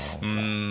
うん。